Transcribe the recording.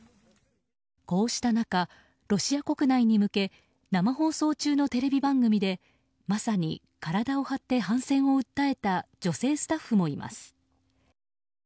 こうした中、ロシア国内に向け生放送中のテレビ番組でまさに体を張って反戦を訴えた女性スタッフもいます。